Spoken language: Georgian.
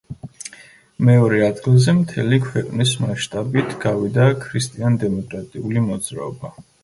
მეორე ადგილზე მთელი ქვეყნის მასშტაბით გავიდა ქრისტიან-დემოკრატიული მოძრაობა.